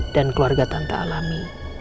dan keluarga tante alami